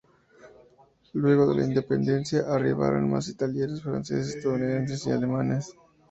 Luego de la independencia, arribaron más italianos, franceses, estadounidenses y alemanes.